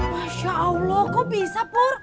masya allah kok bisa pur